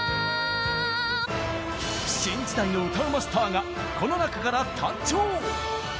新時代の歌うまスターがこの中から誕生！